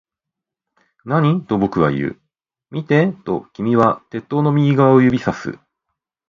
何？と僕は言う。見て、と君は鉄塔の右側を指差す